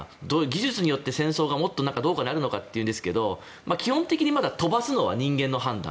技術によって戦争がもっとどうかなるかというんですが基本的に飛ばすのは人間の判断。